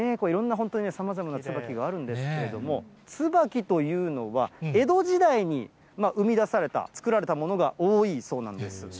いろんな本当、さまざまなツバキがあるんですけれども、ツバキというのは、江戸時代に生み出された、作られたものが多いそうなんです。